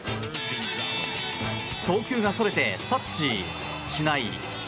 送球がそれてタッチしない。